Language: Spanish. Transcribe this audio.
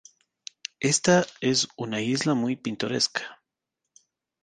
Esta es una isla muy pintoresca.